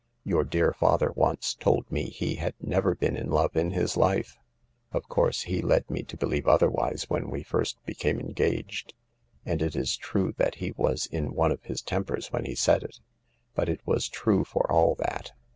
Your dear father once told me he had never been in love in his hfe. Of course, he led me to believe otherwise when we first became engaged, and it is true that he was in ?w ?! L tem P erS When he said B "t it was true for all that.